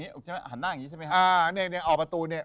คิกคิกคิกคิกคิกคิกคิกคิก